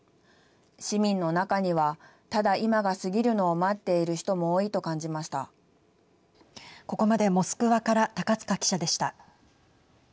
市民の中にはただ、今が過ぎるのを待っている人もここまでモスクワから高塚記者でした。